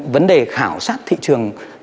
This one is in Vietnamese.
vấn đề khảo sát thị trường